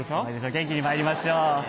元気にまいりましょう。